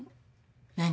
何？